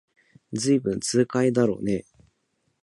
ずいぶん痛快だろうねえ